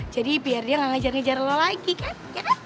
jadi biar dia gak ngajar ngajar lo lagi kan